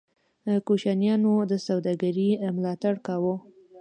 کوشانیانو د سوداګرۍ ملاتړ کاوه